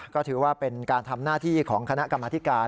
ก็ถือว่าเป็นการทำหน้าที่ของคณะกรรมธิการ